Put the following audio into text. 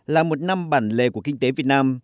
hai nghìn một mươi tám là một năm bản lề của kinh tế việt nam